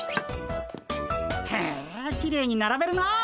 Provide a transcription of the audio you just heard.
へえきれいにならべるなあ。